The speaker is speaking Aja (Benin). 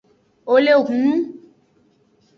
Wole hunun.